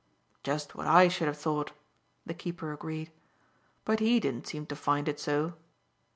"Just what I should have thought," the keeper agreed. "But he didn't seem to find it so.